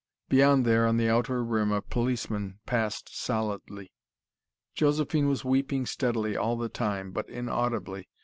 Beyond there, on the outer rim, a policeman passed solidly. Josephine was weeping steadily all the time, but inaudibly.